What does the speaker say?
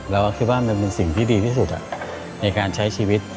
เราก็คิดว่ามันเป็นสิ่งที่ดีที่สุดในการใช้ชีวิต